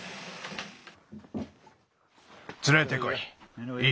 つれてこい。